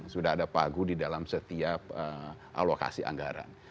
sudah ada pagu di dalam setiap alokasi anggaran